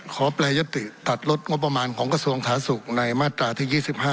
แปรยติตัดลดงบประมาณของกระทรวงสาธารณสุขในมาตราที่๒๕